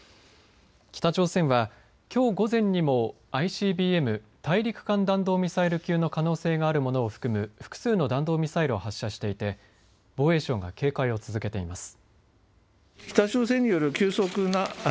北朝鮮はきょう午前にもＩＣＢＭ大陸間弾道ミサイル級の可能性があるものを含む複数の弾道ミサイルを発射していて防衛省が警戒を続けています。